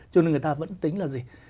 cho nên người ta vẫn tính là gì